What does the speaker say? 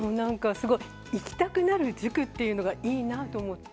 行きたくなる塾っていうのがいいなと思って。